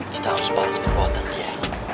kita harus bales perbuatan dia